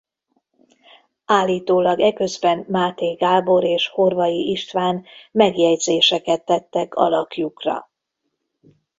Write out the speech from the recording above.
Állítólag eközben Máté Gábor és Horvai István megjegyzéseket tettek alakjukra.